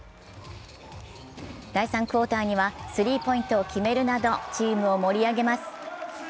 第３クオーターにはスリーポイントを決めるなどチームを盛り上げます。